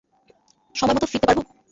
সময়মত ফিরতে পারব?